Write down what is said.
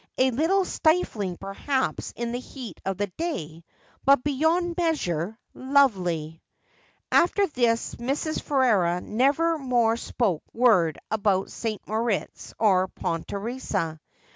A little stifling, perhap?, in the heat of the day, but beyond measure, lovely.' After this Mrs. Ferrers never more spoke word about St. Moritz or Pontresina.